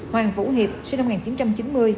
hoàng vũ hiệp sinh năm một nghìn chín trăm chín mươi